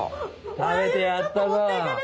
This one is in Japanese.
食べてやったぞ。